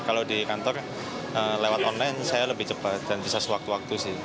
kalau di kantor lewat online saya lebih cepat dan bisa sewaktu waktu sih